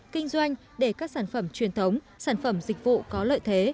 kinh doanh để các sản phẩm truyền thống sản phẩm dịch vụ có lợi thế